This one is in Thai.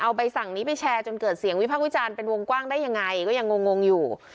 เอาใบสั่งนี้ไปแชร์จนเกิดเสียงวิพากษ์วิจารณ์เป็นวงกว้างได้ยังไงก็ยังงงอยู่